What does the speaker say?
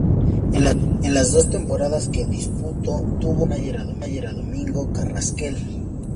En las dos temporadas que disputó tuvo como manager a Domingo Carrasquel.